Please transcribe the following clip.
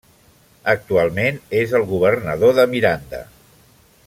Actualment és el governador de Miranda.